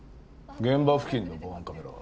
・現場付近の防犯カメラは？